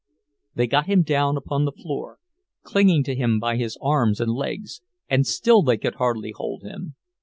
They got him down upon the floor, clinging to him by his arms and legs, and still they could hardly hold him.